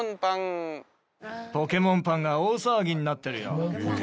ポケモンパンが大騒ぎになってるよ。